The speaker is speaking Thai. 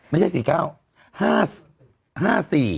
ไม่ใช่๔๙